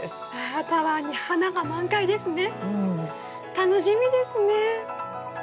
楽しみですね！